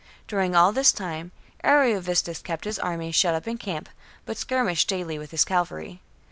During all this time Ariovistus kept his army shut up in camp, but skirmished daily with his cavalry.